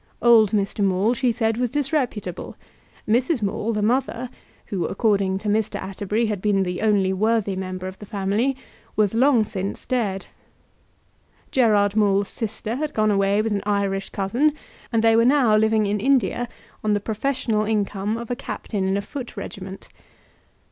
Old Mr. Maule, she said, was disreputable. Mrs. Maule, the mother, who, according to Mr. Atterbury, had been the only worthy member of the family, was long since dead. Gerard Maule's sister had gone away with an Irish cousin, and they were now living in India on the professional income of a captain in a foot regiment.